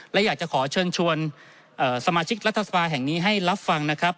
และอยากจะขอเชิญชวนสมาชิกรัฐสภาแห่งนี้ให้รับฟังนะครับ